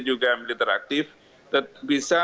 juga meliteraktif bisa